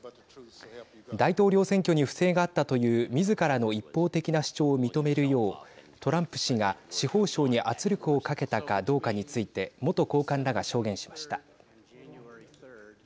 大統領選挙に不正があったというみずからの一方的な主張を認めるようトランプ氏が、司法省に圧力をかけたかどうかについて元高官らが証言しました。